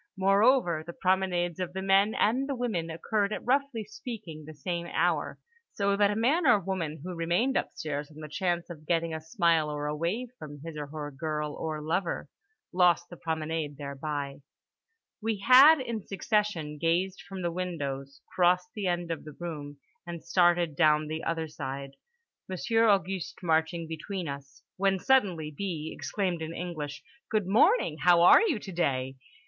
Moreover the promenades of the men and the women occurred at roughly speaking the same hour, so that a man or woman who remained upstairs on the chance of getting a smile or a wave from his or her girl or lover lost the promenade thereby…. We had in succession gazed from the windows, crossed the end of the room, and started down the other side, Monsieur Auguste marching between us—when suddenly B. exclaimed in English "Good morning! How are you today?"